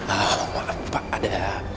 ah maaf pak ada